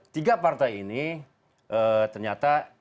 tiga partai ini ternyata